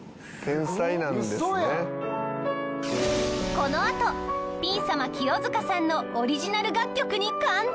このあとピン様清塚さんのオリジナル楽曲に感動。